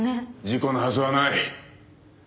事故のはずはない。